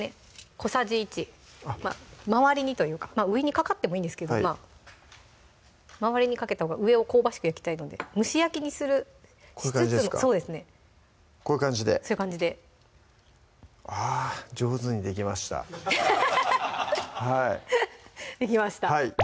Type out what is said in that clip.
小さじ１周りにというか上にかかってもいいんですけど周りにかけたほうが上を香ばしく焼きたいので蒸し焼きにしつつこういう感じですかこういう感じでそういう感じであっ上手にできましたできました